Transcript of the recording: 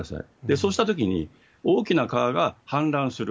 そうしたときに、大きな川が氾濫する。